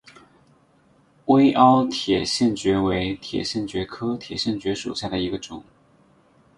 微凹铁角蕨为铁角蕨科铁角蕨属下的一个种。